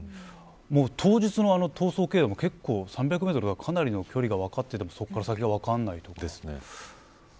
当日の逃走経路も３００メートルかなりの距離が分かっていてそこから先は分からないんですね。